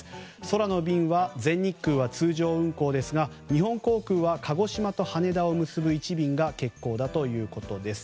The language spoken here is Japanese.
空の便は全日空は通常運航ですが日本航空は鹿児島と羽田を結ぶ１便が欠航だということです。